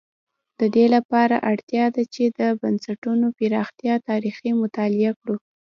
د دې لپاره اړتیا ده چې د بنسټونو پراختیا تاریخ مطالعه کړو.